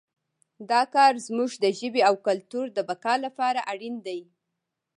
دا کار زموږ د ژبې او کلتور د بقا لپاره اړین دی